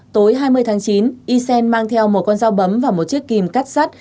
tối hai mươi tháng chín ysen mang theo một con dao bấm và một chiếc kìm cắt sắt